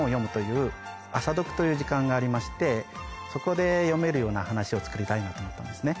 という時間がありましてそこで読めるような話を作りたいなと思ったんですね。